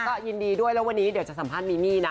ก็ยินดีด้วยแล้ววันนี้เดี๋ยวจะสัมภาษณ์มีมี่นะ